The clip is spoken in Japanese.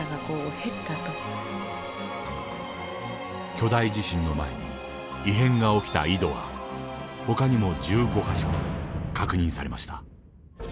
巨大地震の前に異変が起きた井戸はほかにも１５か所確認されました。